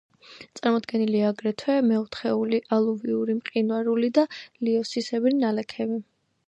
წარმოდგენილია აგრეთვე მეოთხეული ალუვიური, მყინვარული და ლიოსისებრი ნალექები.